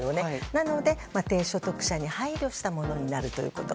なので、低所得者に配慮したものになるということ。